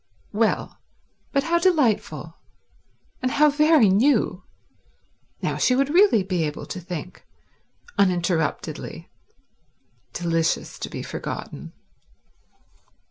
Well, but how delightful, and how very new. Now she would really be able to think, uninterruptedly. Delicious to be forgotten.